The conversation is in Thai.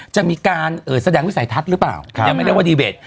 จะมีการแสดงวิสัยทัศน์หรือเปล่ายังไม่เรียกว่าดีเวท